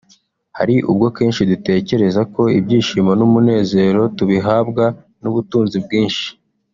Hari ubwo kenshi dutekereza yuko ibyishimo n’umunezero tubihabwa n’ubutunzi bwinshi